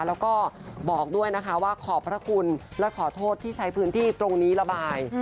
แล้วก็บอกด้วยนะคะว่าขอบพระคุณและขอโทษที่ใช้พื้นที่ตรงนี้ระบาย